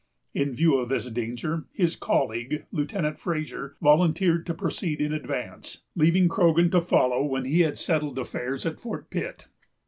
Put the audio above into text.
In view of this danger, his colleague, Lieutenant Fraser, volunteered to proceed in advance, leaving Croghan to follow when he had settled affairs at Fort Pitt.